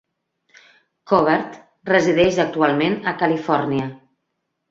Covert resideix actualment a Califòrnia.